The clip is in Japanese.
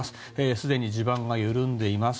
すでに地盤が緩んでいます。